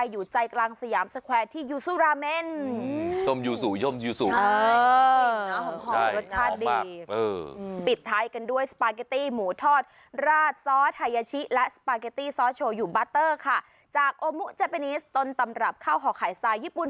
อยู่บัตเตอร์ค่ะจากโอมุจับเปนีสตนตำรับข้าวห่อขายสายญี่ปุ่น